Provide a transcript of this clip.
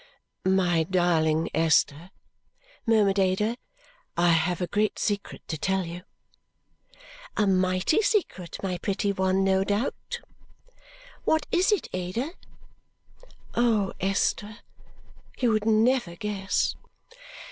"My darling Esther!" murmured Ada. "I have a great secret to tell you!" A mighty secret, my pretty one, no doubt! "What is it, Ada?" "Oh, Esther, you would never guess!"